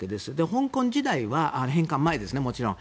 香港時代は、返還前ですねもちろん。